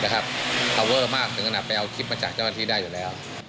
เอาเวอร์มากถึงขนาดไปเอาคลิปมาจากเจ้าหน้าที่ได้อยู่แล้ว